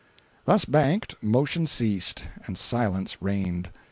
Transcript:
Thus banked, motion ceased, and silence reigned.